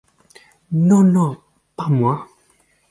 Non, non, pas moi !